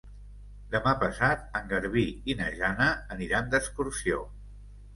Demà passat en Garbí i na Jana aniran d'excursió.